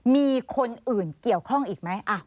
มีคนอื่นเกี่ยวข้องอีกไหม